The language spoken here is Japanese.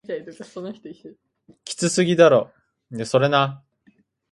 きつすぎだろ